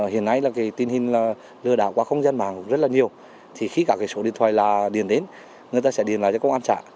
hiện nay là cái tình hình lừa đảo qua không gian mạng rất là nhiều thì khi cả cái số điện thoại là điền đến người ta sẽ điền lại cho công an xã